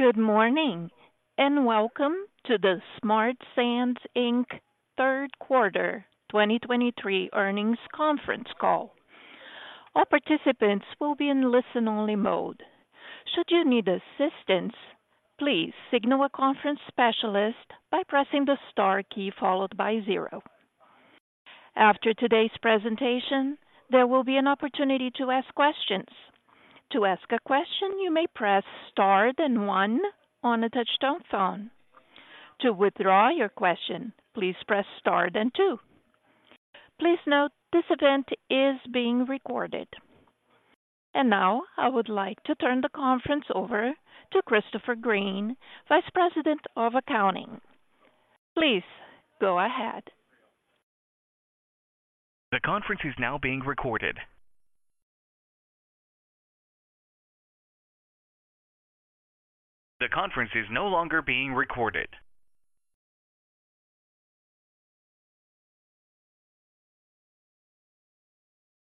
Good morning, and welcome to the Smart Sand, Inc. third quarter 2023 earnings conference call. All participants will be in listen-only mode. Should you need assistance, please signal a conference specialist by pressing the star key followed by zero. After today's presentation, there will be an opportunity to ask questions. To ask a question, you may press star then one on a touchtone phone. To withdraw your question, please press star then two. Please note, this event is being recorded. And now, I would like to turn the conference over to Christopher Green, Vice President of Accounting. Please go ahead. The conference is now being recorded. The conference is no longer being recorded.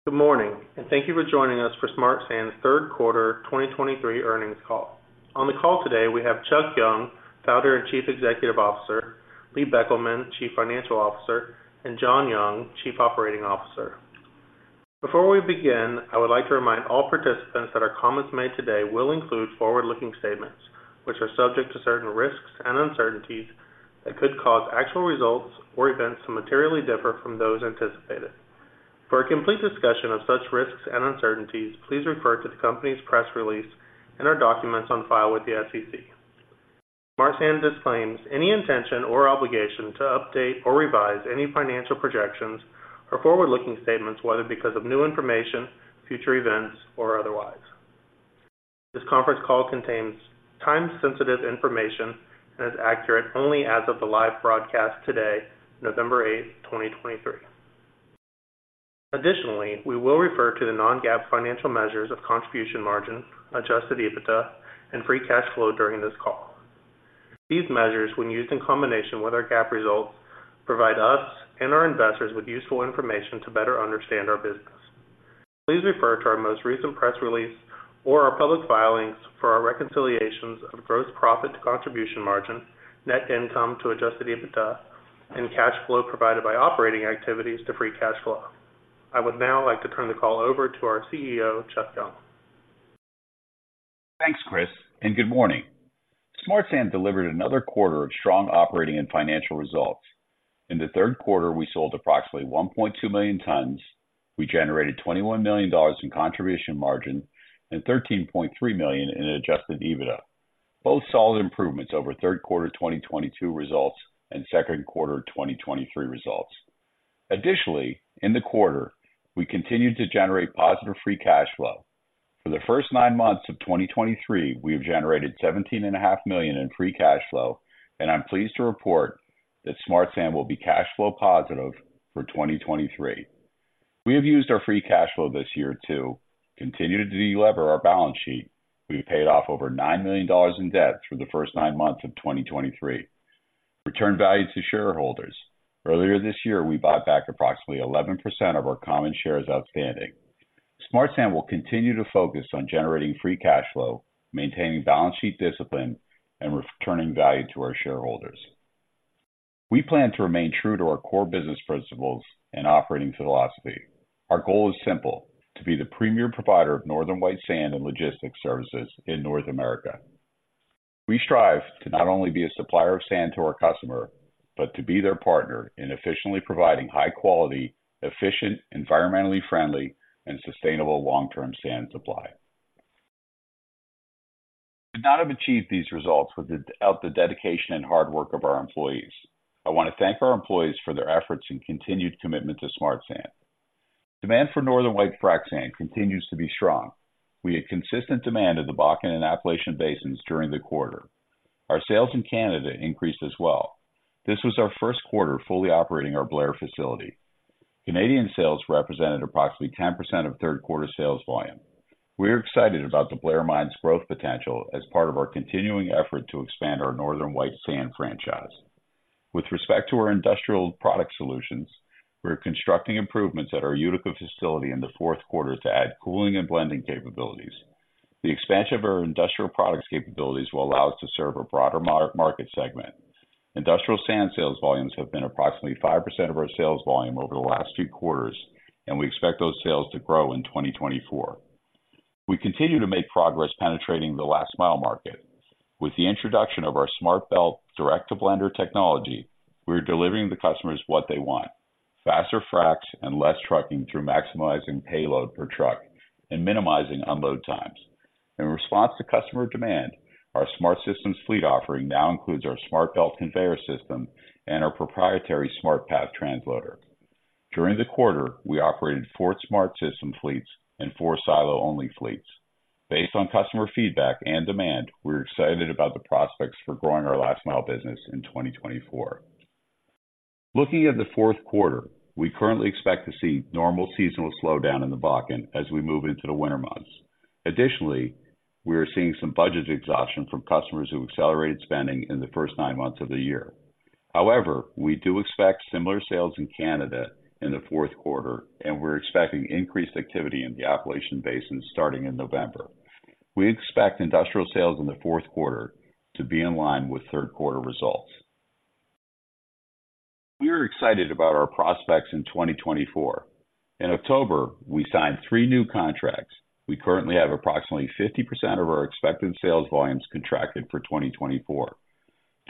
Good morning, and thank you for joining us for Smart Sand's third quarter 2023 earnings call. On the call today, we have Chuck Young, Founder and Chief Executive Officer; Lee Beckelman, Chief Financial Officer; and John Young, Chief Operating Officer. Before we begin, I would like to remind all participants that our comments made today will include forward-looking statements, which are subject to certain risks and uncertainties that could cause actual results or events to materially differ from those anticipated. For a complete discussion of such risks and uncertainties, please refer to the company's press release and our documents on file with the SEC. Smart Sand disclaims any intention or obligation to update or revise any financial projections or forward-looking statements, whether because of new information, future events, or otherwise. This conference call contains time-sensitive information and is accurate only as of the live broadcast today, November 8, 2023. Additionally, we will refer to the non-GAAP financial measures of contribution margin, adjusted EBITDA, and free cash flow during this call. These measures, when used in combination with our GAAP results, provide us and our investors with useful information to better understand our business. Please refer to our most recent press release or our public filings for our reconciliations of gross profit to contribution margin, net income to adjusted EBITDA, and cash flow provided by operating activities to free cash flow. I would now like to turn the call over to our CEO, Chuck Young. Thanks, Chris, and good morning. Smart Sand delivered another quarter of strong operating and financial results. In the third quarter, we sold approximately 1.2 million tons. We generated $21 million in contribution margin and $13.3 million in adjusted EBITDA. Both solid improvements over third quarter 2022 results and second quarter 2023 results. Additionally, in the quarter, we continued to generate positive free cash flow. For the first nine months of 2023, we have generated $17.5 million in free cash flow, and I'm pleased to report that Smart Sand will be cash flow positive for 2023. We have used our free cash flow this year to continue to delever our balance sheet. We paid off over $9 million in debt through the first nine months of 2023. Return value to shareholders. Earlier this year, we bought back approximately 11% of our common shares outstanding. Smart Sand will continue to focus on generating free cash flow, maintaining balance sheet discipline, and returning value to our shareholders. We plan to remain true to our core business principles and operating philosophy. Our goal is simple, to be the premier provider of Northern White Sand and logistics services in North America. We strive to not only be a supplier of sand to our customer, but to be their partner in efficiently providing high quality, efficient, environmentally friendly and sustainable long-term sand supply. We could not have achieved these results without the dedication and hard work of our employees. I want to thank our employees for their efforts and continued commitment to Smart Sand. Demand for Northern White frac sand continues to be strong. We had consistent demand of the Bakken and Appalachian basins during the quarter. Our sales in Canada increased as well. This was our first quarter fully operating our Blair facility. Canadian sales represented approximately 10% of third quarter sales volume. We are excited about the Blair Mine's growth potential as part of our continuing effort to expand our Northern White Sand franchise. With respect to our industrial product solutions, we're constructing improvements at our Utica facility in the fourth quarter to add cooling and blending capabilities. The expansion of our industrial products capabilities will allow us to serve a broader market segment. Industrial sand sales volumes have been approximately 5% of our sales volume over the last two quarters, and we expect those sales to grow in 2024. We continue to make progress penetrating the last mile market. With the introduction of our SmartBelt direct-to-blender technology, we are delivering the customers what they want, faster fracs and less trucking through maximizing payload per truck and minimizing unload times. In response to customer demand, our SmartSystems fleet offering now includes our SmartBelt conveyor system and our proprietary SmartPath transloader. During the quarter, we operated four SmartSystems fleets and four silo-only fleets. Based on customer feedback and demand, we're excited about the prospects for growing our last mile business in 2024. Looking at the fourth quarter, we currently expect to see normal seasonal slowdown in the Bakken as we move into the winter months. Additionally, we are seeing some budget exhaustion from customers who accelerated spending in the first nine months of the year. However, we do expect similar sales in Canada in the fourth quarter, and we're expecting increased activity in the Appalachian Basin starting in November. We expect industrial sales in the fourth quarter to be in line with third quarter results. We are excited about our prospects in 2024. In October, we signed three new contracts. We currently have approximately 50% of our expected sales volumes contracted for 2024.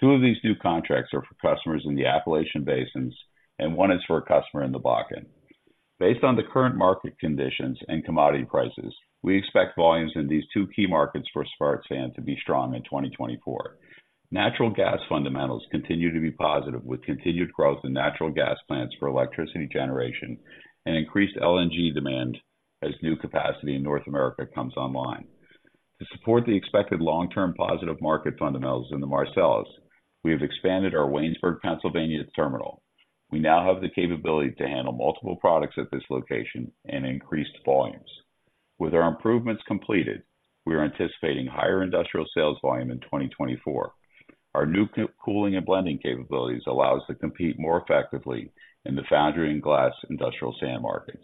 Two of these new contracts are for customers in the Appalachian basins, and one is for a customer in the Bakken. Based on the current market conditions and commodity prices, we expect volumes in these two key markets for Smart Sand to be strong in 2024. Natural gas fundamentals continue to be positive, with continued growth in natural gas plants for electricity generation and increased LNG demand as new capacity in North America comes online. To support the expected long-term positive market fundamentals in the Marcellus, we have expanded our Waynesburg, Pennsylvania terminal. We now have the capability to handle multiple products at this location and increased volumes. With our improvements completed, we are anticipating higher industrial sales volume in 2024. Our new cooling and blending capabilities allow us to compete more effectively in the foundry and glass industrial sand markets.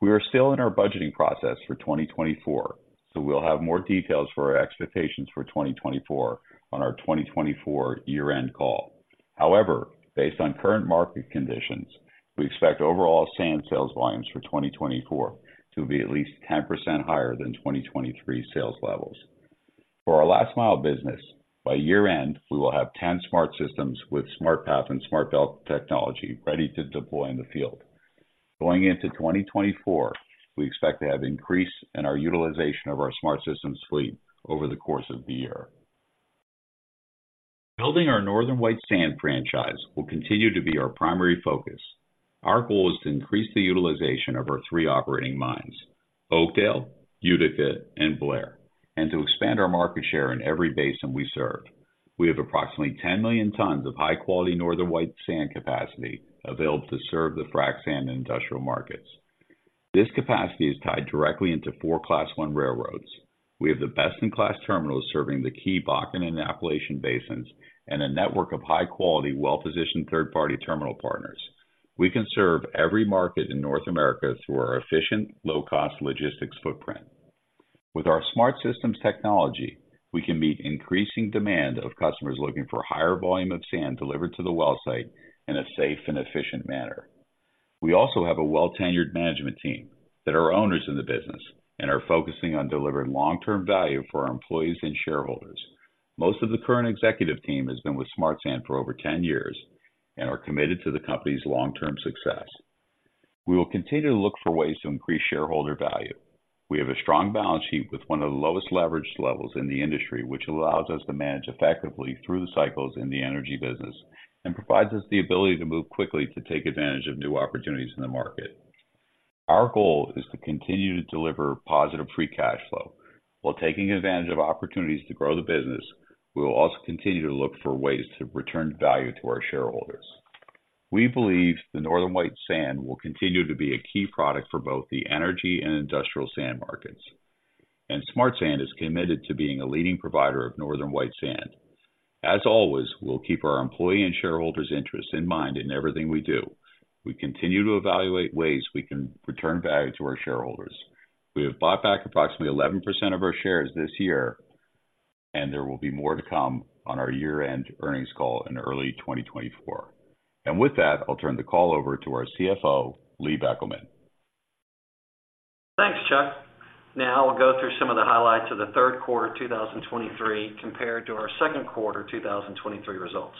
We are still in our budgeting process for 2024, so we'll have more details for our expectations for 2024 on our 2024 year-end call. However, based on current market conditions, we expect overall sand sales volumes for 2024 to be at least 10% higher than 2023 sales levels. For our last mile business, by year-end, we will have 10 smart Systems with SmartPath and SmartBelt technology ready to deploy in the field. Going into 2024, we expect to have increase in our utilization of our SmartSystems fleet over the course of the year. Building our Northern White Sand franchise will continue to be our primary focus. Our goal is to increase the utilization of our three operating mines, Oakdale, Utica, and Blair, and to expand our market share in every basin we serve. We have approximately 10 million tons of high-quality Northern White Sand capacity available to serve the frac sand and industrial markets. This capacity is tied directly into four Class I railroads. We have the best-in-class terminals serving the key Bakken and Appalachian basins, and a network of high-quality, well-positioned third-party terminal partners. We can serve every market in North America through our efficient, low-cost logistics footprint. With our SmartSystems technology, we can meet increasing demand of customers looking for higher volume of sand delivered to the well site in a safe and efficient manner. We also have a well tenured management team that are owners in the business and are focusing on delivering long-term value for our employees and shareholders. Most of the current executive team has been with Smart Sand for over 10 years and are committed to the company's long-term success. We will continue to look for ways to increase shareholder value. We have a strong balance sheet with one of the lowest leverage levels in the industry, which allows us to manage effectively through the cycles in the energy business, and provides us the ability to move quickly to take advantage of new opportunities in the market. Our goal is to continue to deliver positive free cash flow. While taking advantage of opportunities to grow the business, we will also continue to look for ways to return value to our shareholders. We believe the Northern White Sand will continue to be a key product for both the energy and industrial sand markets, and Smart Sand is committed to being a leading provider of Northern White Sand. As always, we'll keep our employee and shareholders interests in mind in everything we do. We continue to evaluate ways we can return value to our shareholders. We have bought back approximately 11% of our shares this year, and there will be more to come on our year-end earnings call in early 2024. With that, I'll turn the call over to our CFO, Lee Beckelman. Thanks, Chuck. Now I'll go through some of the highlights of the third quarter 2023 compared to our second quarter 2023 results.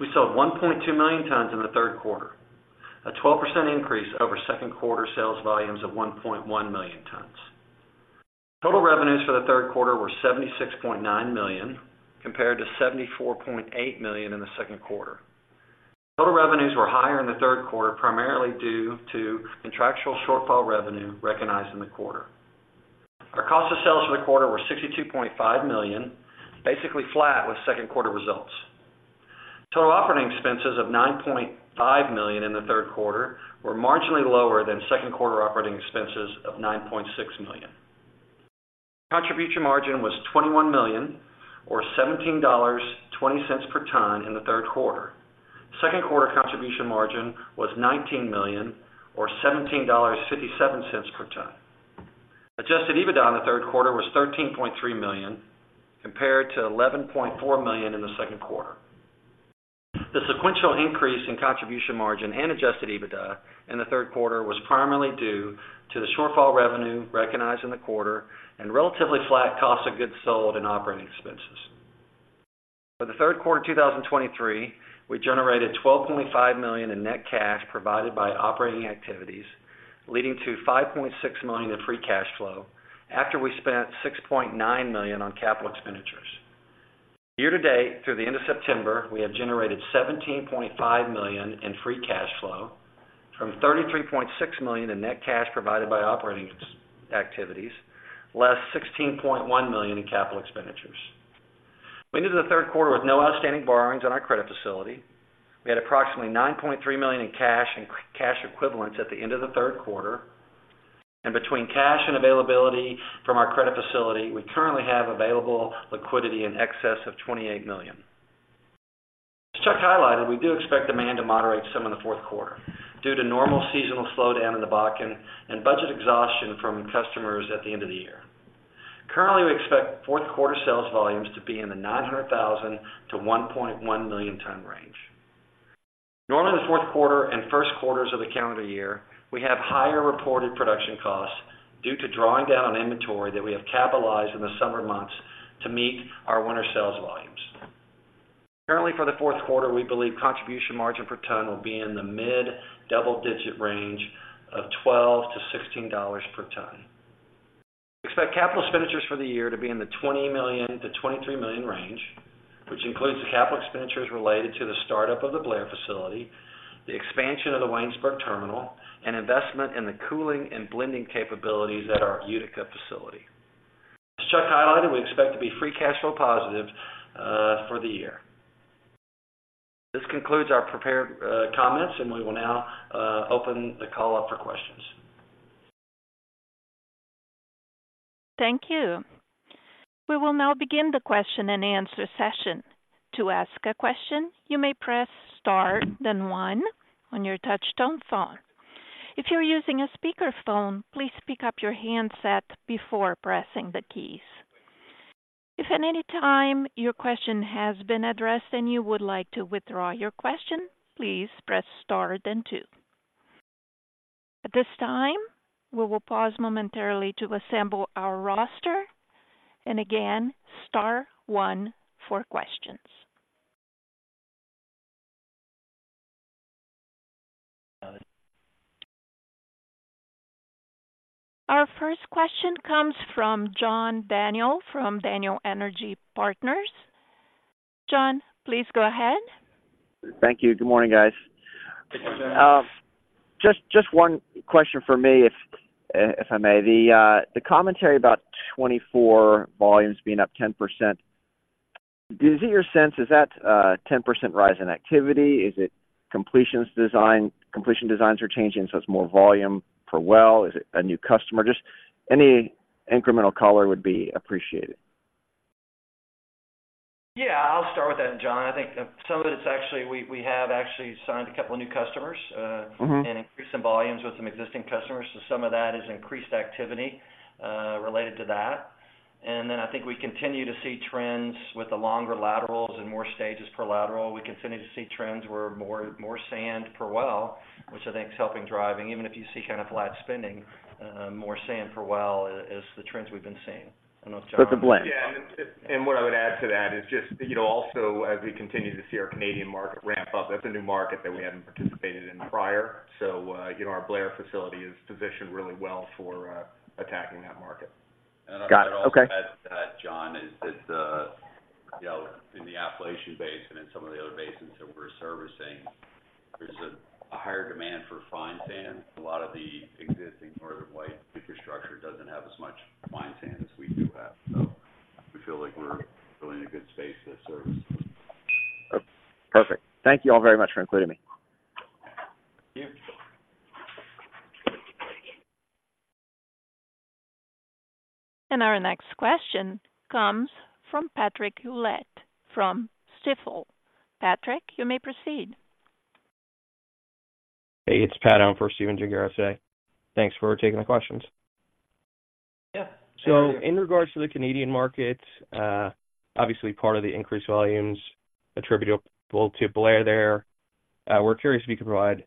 We sold 1.2 million tons in the third quarter, a 12% increase over second quarter sales volumes of 1.1 million tons. Total revenues for the third quarter were $76.9 million, compared to $74.8 million in the second quarter. Total revenues were higher in the third quarter, primarily due to contractual shortfall revenue recognized in the quarter. Our cost of sales for the quarter were $62.5 million, basically flat with second quarter results. Total operating expenses of $9.5 million in the third quarter were marginally lower than second quarter operating expenses of $9.6 million. Contribution margin was $21 million or $17.20 per ton in the third quarter. Second quarter contribution margin was $19 million, or $17.57 per ton. Adjusted EBITDA in the third quarter was $13.3 million, compared to $11.4 million in the second quarter. The sequential increase in contribution margin and adjusted EBITDA in the third quarter was primarily due to the shortfall revenue recognized in the quarter and relatively flat cost of goods sold and operating expenses. For the third quarter 2023, we generated $12.5 million in net cash provided by operating activities, leading to $5.6 million in free cash flow, after we spent $6.9 million on capital expenditures. Year to date, through the end of September, we have generated $17.5 million in free cash flow from $33.6 million in net cash provided by operating activities, less $16.1 million in capital expenditures. We ended the third quarter with no outstanding borrowings on our credit facility. We had approximately $9.3 million in cash and cash equivalents at the end of the third quarter, and between cash and availability from our credit facility, we currently have available liquidity in excess of $28 million. As Chuck highlighted, we do expect demand to moderate some in the fourth quarter due to normal seasonal slowdown in the Bakken and budget exhaustion from customers at the end of the year. Currently, we expect fourth quarter sales volumes to be in the 900,000-1.1-million-ton range. Normally, the fourth quarter and first quarters of the calendar year, we have higher reported production costs due to drawing down on inventory that we have capitalized in the summer months to meet our winter sales volumes. Currently, for the fourth quarter, we believe contribution margin per ton will be in the mid-double digit range of $12-$16 per ton. Expect capital expenditures for the year to be in the $20 million-$23 million range, which includes the capital expenditures related to the startup of the Blair facility, the expansion of the Waynesburg terminal, and investment in the cooling and blending capabilities at our Utica facility. As Chuck highlighted, we expect to be free cash flow positive for the year. This concludes our prepared comments, and we will now open the call up for questions. Thank you. We will now begin the question-and-answer session. To ask a question, you may press star, then one on your touchtone phone. If you're using a speakerphone, please pick up your handset before pressing the keys. If at any time your question has been addressed and you would like to withdraw your question, please press star then two. At this time, we will pause momentarily to assemble our roster and again, star one for questions. Our first question comes from John Daniel from Daniel Energy Partners. John, please go ahead. Thank you. Good morning, guys. Good morning. Just, just one question for me, if, if I may. The, the commentary about 2024 volumes being up 10%, is it your sense is that, 10% rise in activity? Is it completions design—completion designs are changing, so it's more volume per well? Is it a new customer? Just any incremental color would be appreciated. Yeah, I'll start with that, John. I think some of it's actually we have actually signed a couple of new customers. Mm-hmm. Increased some volumes with some existing customers. So some of that is increased activity related to that. And then I think we continue to see trends with the longer laterals and more stages per lateral. We continue to see trends where more, more sand per well, which I think is helping driving, even if you see kind of flat spending, more sand per well is the trends we've been seeing. I don't know, Chuck. With the blend. Yeah, and what I would add to that is just, you know, also, as we continue to see our Canadian market ramp up, that's a new market that we hadn't participated in prior. So, you know, our Blair facility is positioned really well for attacking that market. Got it. Okay. To add to that, John, you know, in the Appalachian Basin and some of the other basins that we're servicing, there's a higher demand for fine sand. A lot of the existing Northern White infrastructure doesn't have as much fine sand as we do have, so we feel like we're really in a good space to serve. Perfect. Thank you all very much for including me. Thank you. Our next question comes from Patrick Ouellette, from Stifel. Patrick, you may proceed. Hey, it's Pat on for Stephen Gengaro. Thanks for taking the questions. Yeah. So in regards to the Canadian market, obviously part of the increased volumes attributable to Blair there. We're curious if you could provide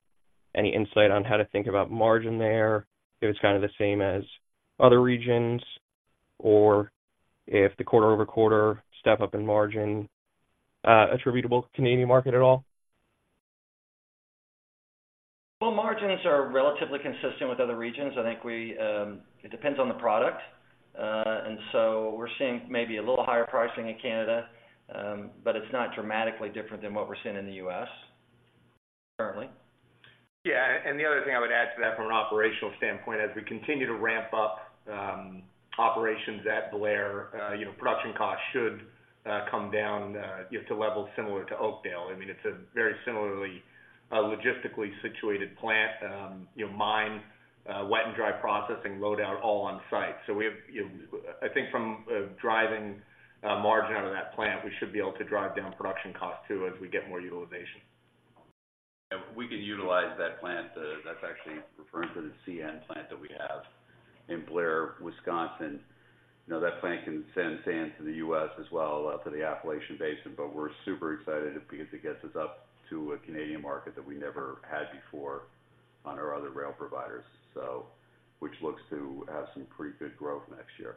any insight on how to think about margin there. If it's kind of the same as other regions, or if the quarter-over-quarter step up in margin, attributable to Canadian market at all? Well, margins are relatively consistent with other regions. I think it depends on the product. And so we're seeing maybe a little higher pricing in Canada, but it's not dramatically different than what we're seeing in the U.S. currently. Yeah, and the other thing I would add to that from an operational standpoint, as we continue to ramp up operations at Blair, you know, production costs should come down just to levels similar to Oakdale. I mean, it's a very similarly logistically situated plant. Our mine, wet and dry processing load out all on site. So we have, you know, I think from driving margin out of that plant, we should be able to drive down production costs too, as we get more utilization. If we can utilize that plant, that's actually referring to the CN plant that we have in Blair, Wisconsin. Now, that plant can send sand to the U.S. as well, to the Appalachian Basin, but we're super excited because it gets us up to a Canadian market that we never had before on our other rail providers, so which looks to have some pretty good growth next year.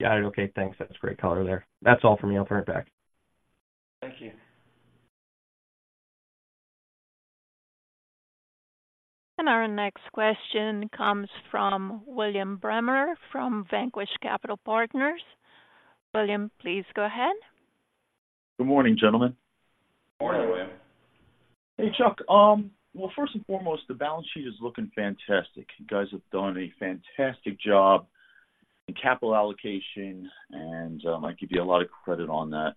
Got it. Okay, thanks. That's great color there. That's all for me. I'll turn it back. Thank you. Our next question comes from William Bremer, from Vanquish Capital Partners. William, please go ahead. Good morning, gentlemen. Morning, William. Hey, Chuck. Well, first and foremost, the balance sheet is looking fantastic. You guys have done a fantastic job.... And capital allocation, and I give you a lot of credit on that.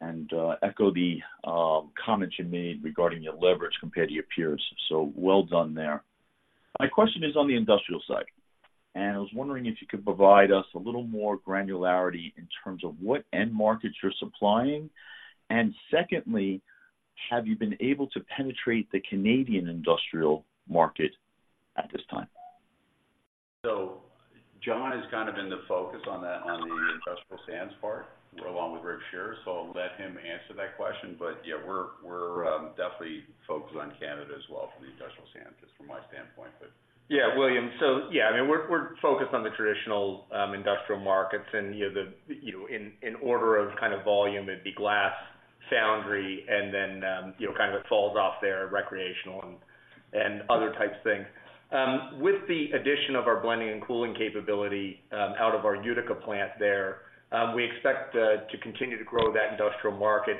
And, echo the comments you made regarding your leverage compared to your peers. So, well done there. My question is on the industrial side, and I was wondering if you could provide us a little more granularity in terms of what end markets you're supplying. And secondly, have you been able to penetrate the Canadian industrial market at this time? So John has kind of been the focus on that, on the industrial sands part, along with Rick Shearer, so I'll let him answer that question. But yeah, we're definitely focused on Canada as well for the industrial sand, just from my standpoint but- Yeah, William. So yeah, I mean, we're focused on the traditional industrial markets and, you know, in order of kind of volume, it'd be glass, foundry, and then, you know, kind of it falls off there, recreational and other types of things. With the addition of our blending and cooling capability out of our Utica plant there, we expect to continue to grow that industrial market.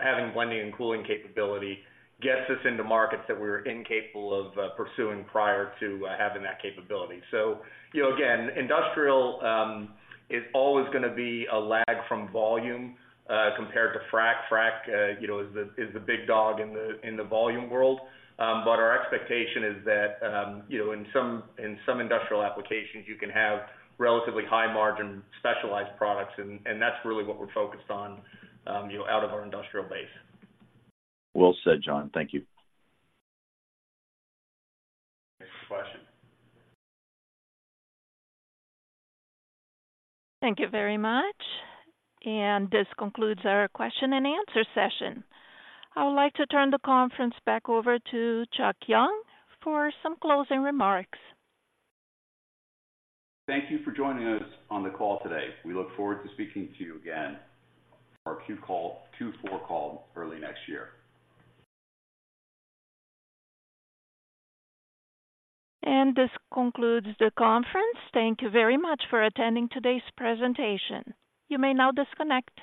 Having blending and cooling capability gets us into markets that we were incapable of pursuing prior to having that capability. So, you know, again, industrial is always gonna be a lag from volume compared to frac. Frac, you know, is the big dog in the volume world. But our expectation is that, you know, in some industrial applications, you can have relatively high-margin, specialized products, and that's really what we're focused on, you know, out of our industrial base. Well said, John. Thank you. Next question. Thank you very much, and this concludes our question-and-answer session. I would like to turn the conference back over to Chuck Young for some closing remarks. Thank you for joining us on the call today. We look forward to speaking to you again on our Q call, Q4 call early next year. This concludes the conference. Thank you very much for attending today's presentation. You may now disconnect.